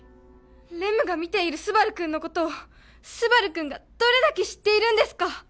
レムが見ているスバル君のことをスバル君がどれだけ知っているんですか？